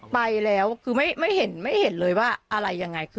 ไปแล้วคือไม่เห็นไม่เห็นเลยว่าอะไรยังไง